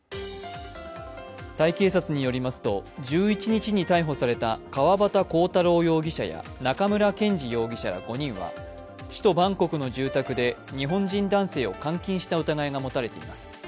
タイ警察によりますと１１日に逮捕された川端浩太郎容疑者や中村健二容疑者ら５人は首都バンコクの住宅で日本人男性を監禁した疑いが持たれています。